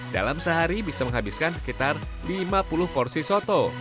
dalam sehari bisa menghabiskan sekitar lima puluh porsi soto